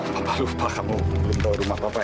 papa lupa kamu belum bawa rumah papa ya